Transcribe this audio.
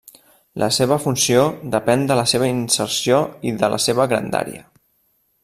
La seva funció depèn de la seva inserció i de la seva grandària.